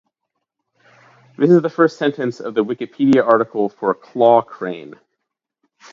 This is the first sentence of the Wikipedia article for “claw crane”.